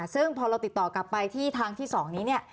ซึ่งพอเราติดต่อกลับไปที่ทางที่๒นี้เนี่ย